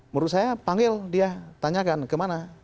menurut saya panggil dia tanyakan kemana